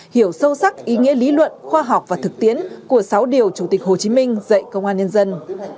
hiểu sâu sắc ý nghĩa lý luận khoa học và thực tiễn của sáu điều chủ tịch hồ chí minh dạy công an nhân dân